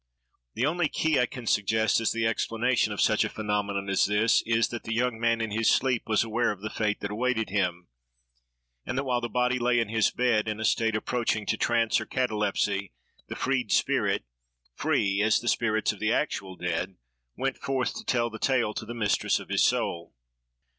The only key I can suggest as the explanation of such a phenomenon as this, is, that the young man in his sleep was aware of the fate that awaited him,—and that while the body lay in his bed, in a state approaching to trance or catalepsy, the freed spirit—free as the spirits of the actual dead—went forth to tell the tale to the mistress of his soul.